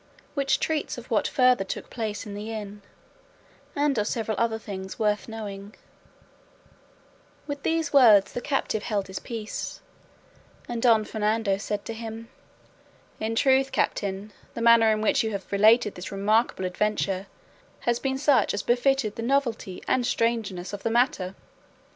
WHICH TREATS OF WHAT FURTHER TOOK PLACE IN THE INN, AND OF SEVERAL OTHER THINGS WORTH KNOWING With these words the captive held his peace, and Don Fernando said to him, "In truth, captain, the manner in which you have related this remarkable adventure has been such as befitted the novelty and strangeness of the matter.